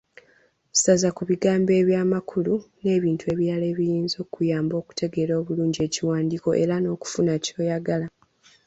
Saza ku bigambo eby’amakulu, n’ebintu ebirala ebiyinza okukuyamba okutegeera obulungi ekiwandiiko era n’okufuna ky’oyagala.